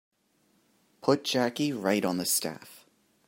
Put Jackie right on the staff.